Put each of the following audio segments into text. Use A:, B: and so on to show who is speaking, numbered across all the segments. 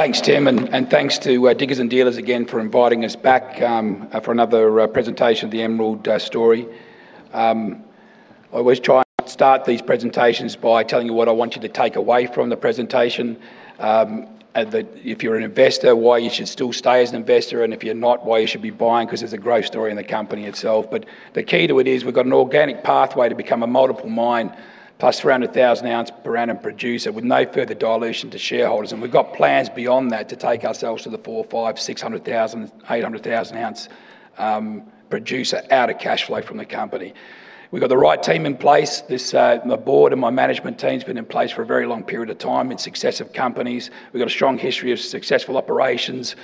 A: Thanks, Tim, and thanks to Diggers & Dealers again for inviting us back for another presentation of the Emerald story. I always try and start these presentations by telling you what I want you to take away from the presentation. If you're an investor, why you should still stay as an investor, and if you're not, why you should be buying, because there's a growth story in the company itself. The key to it is we've got an organic pathway to become a multiple mine plus 300,000 ounce per annum producer with no further dilution to shareholders. We've got plans beyond that to take ourselves to the 400,000, 500,000, 600,000, 800,000 ounce producer out of cash flow from the company. We've got the right team in place. My board and my management team's been in place for a very long period of time in successive companies. We've got a strong history of successful operations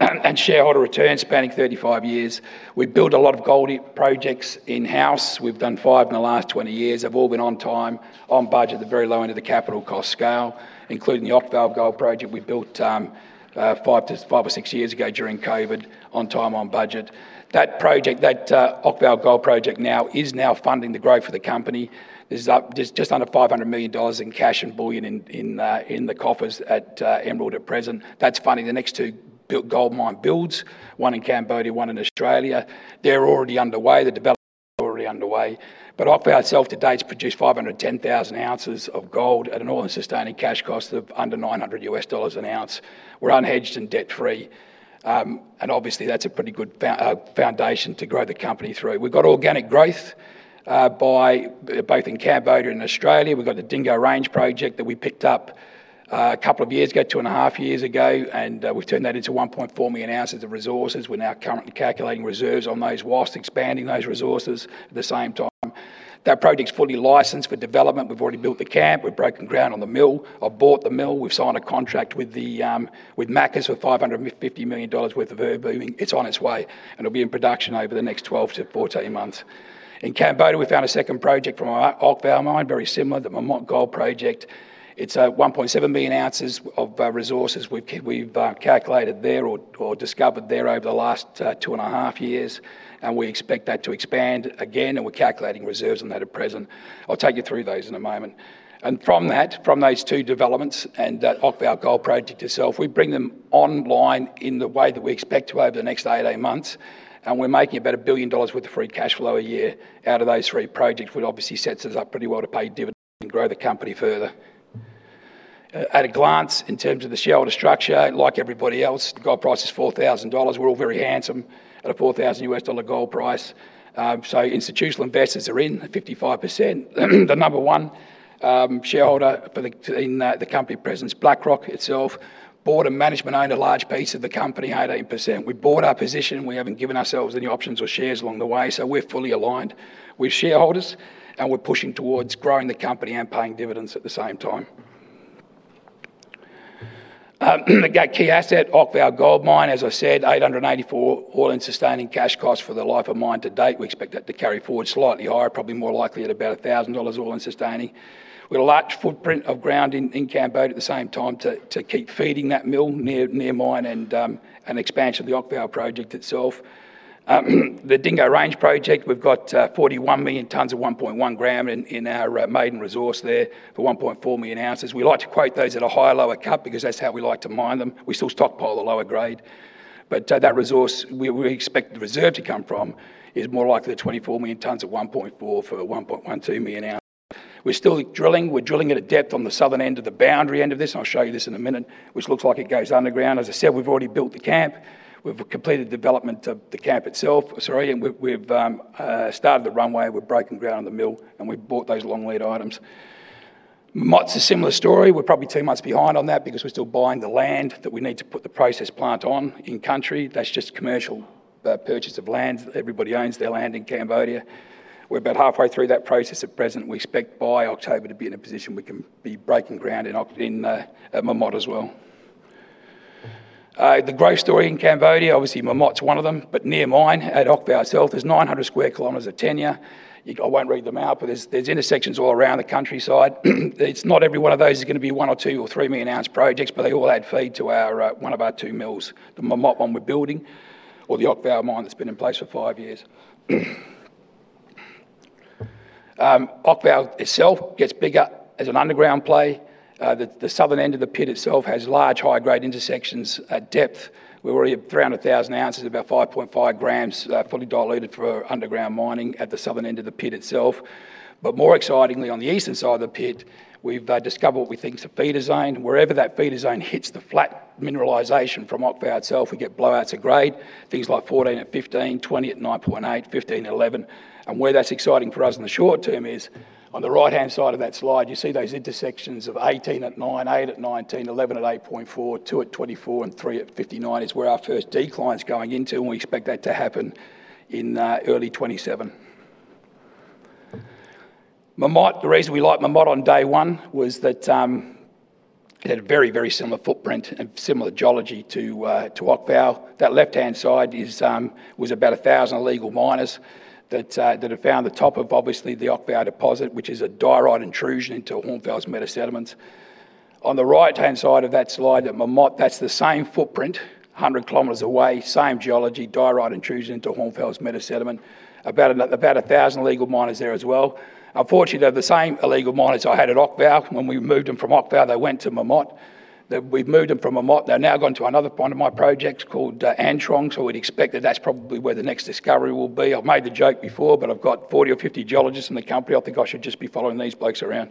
A: and shareholder returns spanning 35 years. We build a lot of gold projects in-house. We've done five in the last 20 years. They've all been on time, on budget, the very low end of the capital cost scale, including the Okvau Gold Project we built five or six years ago during COVID, on time, on budget. That Okvau Gold Project now is funding the growth for the company. There's just under 500 million dollars in cash and bullion in the coffers at Emerald at present. That's funding the next two gold mine builds, one in Cambodia, one in Australia. They're already underway. The developments are already underway. Okvau itself to date's produced 510,000 ounces of gold at an all-in sustaining cost of under $900 an ounce. We're unhedged and debt-free, obviously that's a pretty good foundation to grow the company through. We've got organic growth both in Cambodia and Australia. We've got the Dingo Range project that we picked up a couple of years ago, two and a half years ago, we've turned that into 1.4 million ounces of resources. We're now currently calculating reserves on those whilst expanding those resources at the same time. That project's fully licensed for development. We've already built the camp. We've broken ground on the mill or bought the mill. We've signed a contract with MACA for 550 million dollars worth of ERB. It's on its way, it'll be in production over the next 12-14 months. In Cambodia, we found a second project from our Okvau mine, very similar, the Memot Gold Project. It's 1.7 million ounces of resources we've calculated there or discovered there over the last two and a half years. We expect that to expand again, we're calculating reserves on that at present. I'll take you through those in a moment. From those two developments and that Okvau Gold Project itself, we bring them online in the way that we expect to over the next 18 months, we're making about 1 billion dollars worth of free cash flow a year out of those three projects, which obviously sets us up pretty well to pay dividends and grow the company further. At a glance, in terms of the shareholder structure, like everybody else, gold price is 4,000 dollars. We're all very handsome at a $4,000 gold price. Institutional investors are in at 55%. The number one shareholder in the company at present is BlackRock itself. Board and management own a large piece of the company, 18%. We bought our position. We haven't given ourselves any options or shares along the way, so we're fully aligned with shareholders, and we're pushing towards growing the company and paying dividends at the same time. The key asset, Okvau Gold Mine, as I said, 884 all-in sustaining cost for the life of mine to date. We expect that to carry forward slightly higher, probably more likely at about AUD 1,000 all-in sustaining. We've got a large footprint of ground in Cambodia at the same time to keep feeding that mill near mine and expansion of the Okvau project itself. The Dingo Range project, we've got 41 million tons of 1.1 gram in our maiden resource there for 1.4 million ounces. We like to quote those at a higher lower cut because that's how we like to mine them. We still stockpile the lower grade. That resource we expect the reserve to come from is more likely the 24 million tons at 1.4 for 1.12 million ounces. We're still drilling. We're drilling at a depth on the southern end of the Boundary end of this, and I'll show you this in a minute, which looks like it goes underground. As I said, we've already built the camp. We've completed development of the camp itself, sorry, and we've started the runway. We've broken ground on the mill, and we've bought those long lead items. Memot's a similar story. We're probably two months behind on that because we're still buying the land that we need to put the process plant on in-country. That's just commercial purchase of lands. Everybody owns their land in Cambodia. We're about halfway through that process at present. We expect by October to be in a position we can be breaking ground at Memot as well. The growth story in Cambodia, obviously Memot's one of them, but near mine at Okvau itself, there's 900 sq km of tenure. I won't read them out, but there's intersections all around the countryside. It's not every one of those is going to be one or two or three million-ounce projects, but they all add feed to one of our two mills, the Memot one we're building or the Okvau mine that's been in place for five years. Okvau itself gets bigger as an underground play. The southern end of the pit itself has large high-grade intersections at depth. We're already at 300,000 ounces, about 5.5 g, fully diluted for underground mining at the southern end of the pit itself. More excitingly, on the eastern side of the pit, we've discovered what we think is a feeder zone. Wherever that feeder zone hits the flat mineralization from Okvau itself, we get blowouts of grade, things like 14 at 15, 20 at 9.8, 15 at 11. Where that's exciting for us in the short term is on the right-hand side of that slide, you see those intersections of 18 at nine, eight at 19, 11 at 8.4, two at 24, and three at 59 is where our first decline's going into, and we expect that to happen in early 2027. Memot, the reason we liked Memot on day one was that it had a very, very similar footprint and similar geology to Okvau. That left-hand side was about 1,000 illegal miners that had found the top of, obviously, the Okvau deposit, which is a diorite intrusion into Hornfels metasediments. On the right-hand side of that slide at Memot, that's the same footprint 100 kilometers away, same geology, diorite intrusion into Hornfels metasediment. About 1,000 illegal miners there as well. Unfortunately, they're the same illegal miners I had at Okvau. When we moved them from Okvau, they went to Memot. We've moved them from Memot, they're now gone to another one of my projects called Antrong. We'd expect that that's probably where the next discovery will be. I've made the joke before, but I've got 40 or 50 geologists in the company. I think I should just be following these blokes around.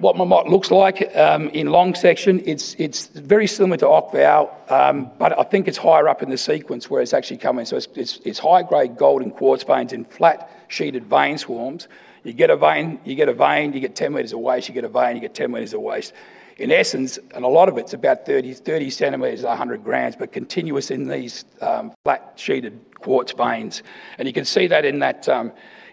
A: What Memot looks like in long section, it's very similar to Okvau, but I think it's higher up in the sequence where it's actually coming. It's high-grade gold and quartz veins in flat-sheeted vein swarms. You get a vein, you get 10 m of waste, you get a vein, you get 10 meters of waste. In essence, and a lot of it's about 30 cm is 100 g, but continuous in these flat-sheeted quartz veins. You can see that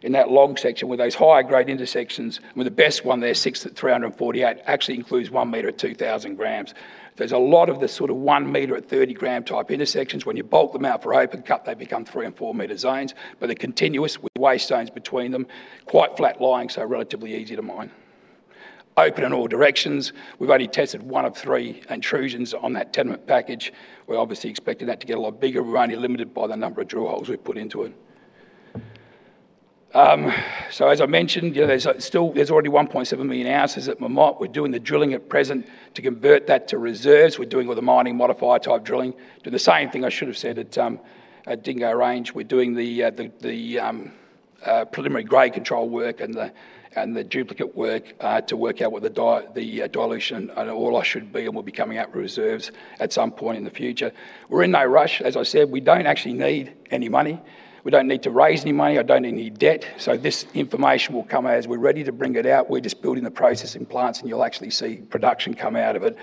A: in that long section with those higher-grade intersections, with the best one there, six at 348, actually includes 1 m at 2,000 g. There's a lot of the sort of 1 m-at-30 g type intersections. When you bolt them out for open cut, they become three and four-meter zones. They're continuous with waste zones between them, quite flat-lying, so relatively easy to mine. Open in all directions. We've only tested one of three intrusions on that tenement package. We're obviously expecting that to get a lot bigger. We're only limited by the number of drill holes we've put into it. As I mentioned, there's already 1.7 million ounces at Memot. We're doing the drilling at present to convert that to reserves. We're doing all the mining modifier type drilling. Doing the same thing, I should have said, at Dingo Range. We're doing the preliminary grade control work and the duplicate work to work out what the dilution and ore should be and will be coming out reserves at some point in the future. We're in no rush. As I said, we don't actually need any money. We don't need to raise any money. I don't need any debt. This information will come out as we're ready to bring it out. We're just building the processing plants, You'll actually see production come out of it.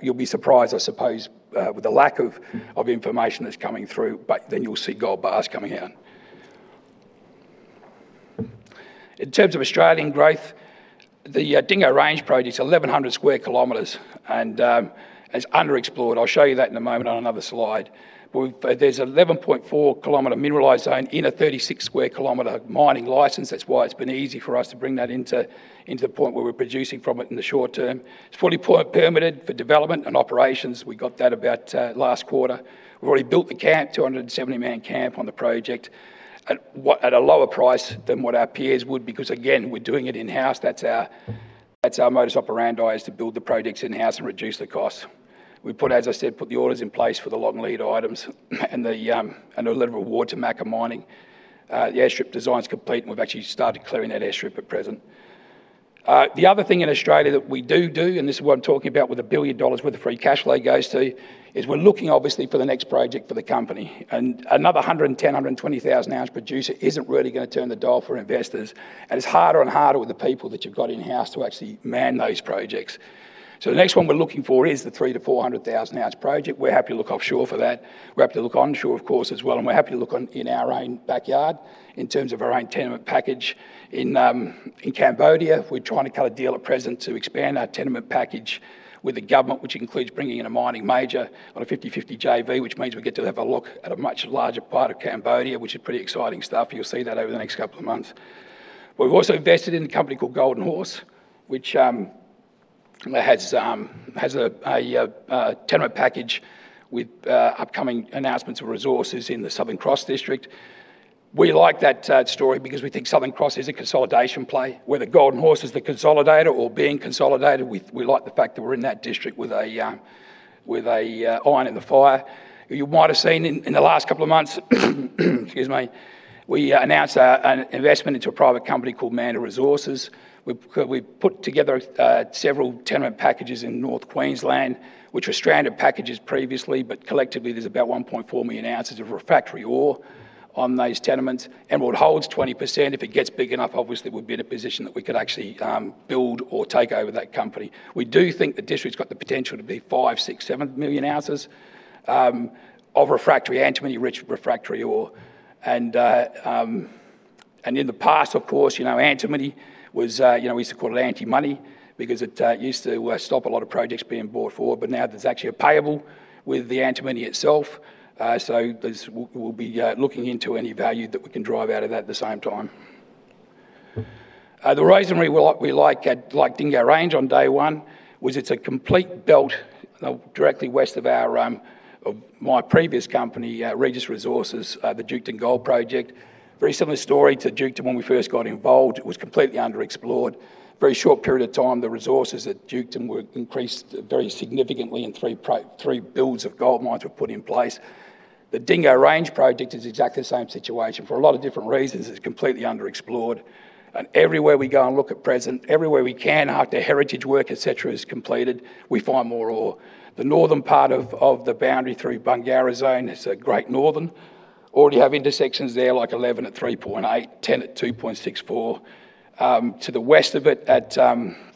A: You'll be surprised, I suppose, with the lack of information that's coming through, you'll see gold bars coming out. In terms of Australian growth, the Dingo Range project is 1,100 sq km and is underexplored. I'll show you that in a moment on another slide. There's a 11.4 km mineralized zone in a 36 sq km mining license. That's why it's been easy for us to bring that into the point where we're producing from it in the short term. It's fully permitted for development and operations. We got that about last quarter. We've already built the camp, 270-man camp on the project at a lower price than what our peers would because, again, we're doing it in-house. That's our modus operandi, is to build the projects in-house and reduce the costs. We put, as I said, the orders in place for the long lead items and a letter of award to MACA Mining. The airstrip design's complete, and we've actually started clearing that airstrip at present. The other thing in Australia that we do do, and this is what I'm talking about with 1 billion dollars worth of free cash flow goes to, is we're looking obviously for the next project for the company. Another 110,000, 120,000-ounce producer isn't really going to turn the dial for investors. It's harder and harder with the people that you've got in-house to actually man those projects. The next one we're looking for is the 300,000 to 400,000-ounce project. We're happy to look offshore for that. We're happy to look onshore, of course, as well, and we're happy to look in our own backyard in terms of our own tenement package in Cambodia. We're trying to cut a deal at present to expand our tenement package with the government, which includes bringing in a mining major on a 50/50 JV, which means we get to have a look at a much larger part of Cambodia, which is pretty exciting stuff. You'll see that over the next couple of months. We've also invested in a company called Golden Horse, which has a tenement package with upcoming announcements of resources in the Southern Cross district. We like that story because we think Southern Cross is a consolidation play. Whether Golden Horse is the consolidator or being consolidated, we like the fact that we're in that district with a iron in the fire. You might have seen in the last couple of months, excuse me, we announced an investment into a private company called Manda Resources. We put together several tenement packages in North Queensland, which were stranded packages previously, but collectively, there's about 1.4 million ounces of refractory ore on those tenements. Emerald holds 20%. If it gets big enough, obviously, we'd be in a position that we could actually build or take over that company. We do think the district's got the potential to be five, six, seven million ounces of refractory antimony, rich refractory ore. In the past, of course, antimony, we used to call it anti-money because it used to stop a lot of projects being brought forward. Now there's actually a payable with the antimony itself. We'll be looking into any value that we can drive out of that at the same time. The reason we liked Dingo Range on day one was it's a complete belt directly west of my previous company, Regis Resources, the Duketon Gold Project. Very similar story to Duketon when we first got involved. It was completely underexplored. Very short period of time, the resources at Duketon were increased very significantly and three builds of gold mines were put in place. The Dingo Range project is exactly the same situation. For a lot of different reasons, it's completely underexplored. Everywhere we go and look at present, everywhere we can after heritage work, et cetera, is completed, we find more ore. The northern part of the Boundary through Bungarra Zone, it's at Great Northern. Already have intersections there, like 11 at 3.8, 10 at 2.64. To the west of it at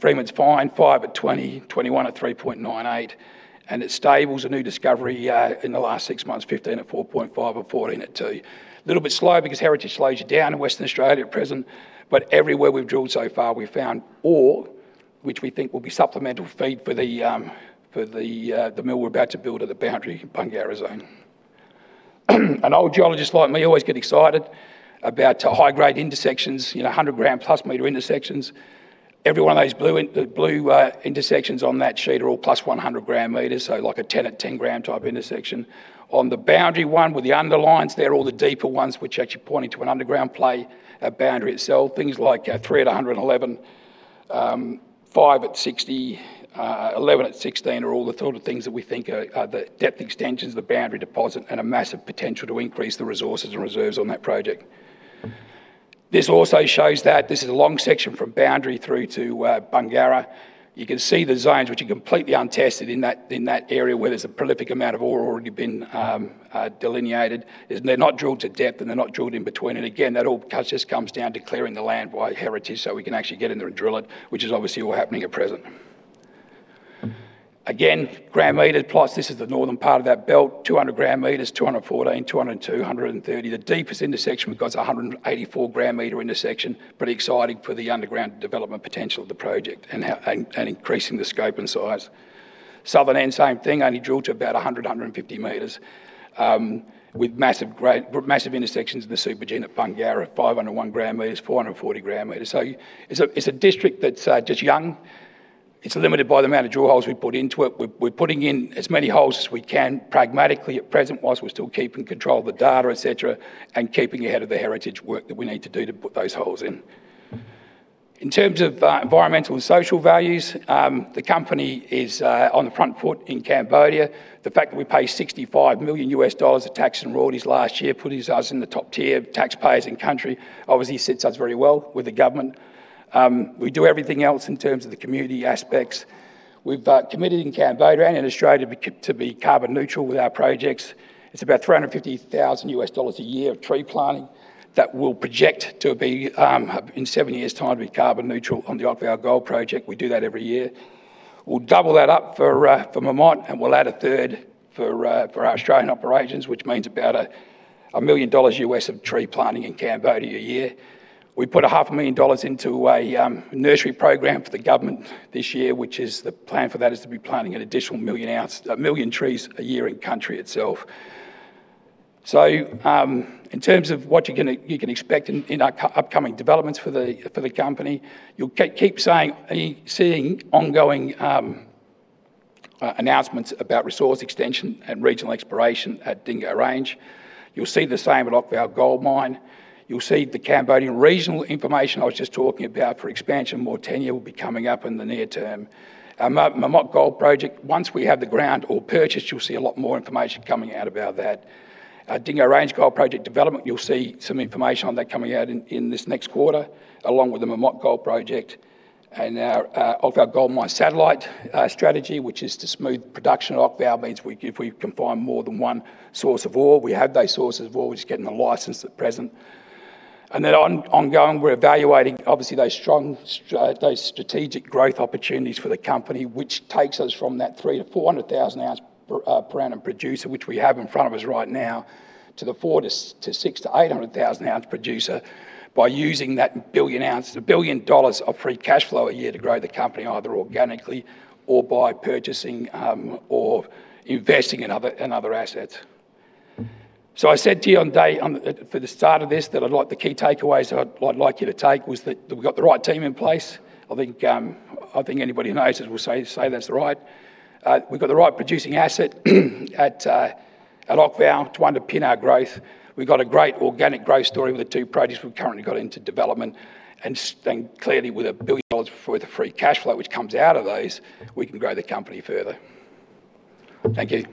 A: Freeman's Find, five at 20, 21 at 3.98. At Stables, a new discovery in the last six months, 15 at 4.5 and 14 at two. Little bit slow because heritage slows you down in Western Australia at present. Everywhere we've drilled so far, we've found ore, which we think will be supplemental feed for the mill we're about to build at the Boundary Bungarra Zone. An old geologist like me always gets excited about high-grade intersections, 100 gram-meter intersections. Every one of those blue intersections on that sheet are all plus 100 gram-meters, so like a 10 at 10 g type intersection. On the Boundary, one with the underlines there, all the deeper ones, which actually pointing to an underground play, a boundary itself. Things like three at 111, five at 60, 11 at 16 are all the sort of things that we think are the depth extensions of the Boundary deposit and a massive potential to increase the resources and reserves on that project. This also shows that this is a long section from boundary through to Bungarra. You can see the zones which are completely untested in that area where there's a prolific amount of ore already been delineated. They're not drilled to depth, and they're not drilled in between. Again, that all just comes down to clearing the land by heritage so we can actually get in there and drill it, which is obviously all happening at present. Again, gram-meter plus, this is the northern part of that belt, 200 gram-meters, 214, 200, 230. The deepest intersection we've got is 184 gram-meter intersection. Pretty exciting for the underground development potential of the project and increasing the scope and size. Southern end, same thing, only drilled to about 100, 150 meters, with massive intersections in the supergene at Bungarra, 501 gram-meters, 440 gram-meters. It's a district that's just young. It's limited by the amount of drill holes we put into it. We're putting in as many holes as we can pragmatically at present whilst we're still keeping control of the data, et cetera, and keeping ahead of the heritage work that we need to do to put those holes in. In terms of environmental and social values, the company is on the front foot in Cambodia. The fact that we paid $65 million of tax and royalties last year, putting us in the top tier of taxpayers in country, obviously sits us very well with the government. We do everything else in terms of the community aspects. We've committed in Cambodia and in Australia to be carbon neutral with our projects. It's about $350,000 a year of tree planting that we'll project to be, in seven years' time, to be carbon neutral on the Okvau Gold Project. We do that every year. We'll double that up for Memot, and we'll add a third for our Australian operations, which means about $1 million of tree planting in Cambodia a year. We put a half a million dollars into a nursery program for the government this year. The plan for that is to be planting an additional 1 million trees a year in country itself. In terms of what you can expect in upcoming developments for the company, you'll keep seeing ongoing announcements about resource extension and regional exploration at Dingo Range. You'll see the same at Okvau Gold Mine. You'll see the Cambodian regional information I was just talking about for expansion. More tenure will be coming up in the near term. Memot Gold Project, once we have the ground all purchased, you'll see a lot more information coming out about that. Dingo Range Gold Project development, you'll see some information on that coming out in this next quarter, along with the Memot Gold Project and our Okvau Gold Mine satellite strategy, which is to smooth production at Okvau. Means if we can find more than one source of ore. We have those sources of ore. We're just getting the license at present. Ongoing, we're evaluating, obviously, those strategic growth opportunities for the company, which takes us from that 300,000-400,000 ounce per annum producer, which we have in front of us right now, to the 400,000-600,000-800,000 ounce producer by using that 1 billion dollars of free cash flow a year to grow the company either organically or by purchasing or investing in other assets. I said to you for the start of this, that the key takeaways that I'd like you to take was that we've got the right team in place. I think anybody who knows us will say that's right. We've got the right producing asset at Okvau to underpin our growth. We've got a great organic growth story with the two projects we've currently got into development. Clearly, with 1 billion dollars worth of free cash flow, which comes out of those, we can grow the company further. Thank you.